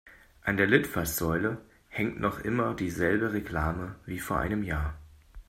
An der Litfaßsäule hängt noch immer dieselbe Reklame wie vor einem Jahr.